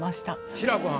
志らくはん